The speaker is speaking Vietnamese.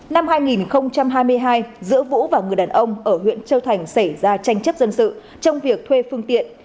năm hai nghìn hai mươi hai giữa vũ và người đàn ông ở huyện châu thành xảy ra tranh chấp dân sự trong việc thuê phương tiện